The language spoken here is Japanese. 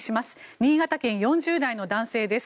新潟県４０代の男性です。